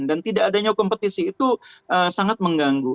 dan tidak adanya kompetisi itu sangat mengganggu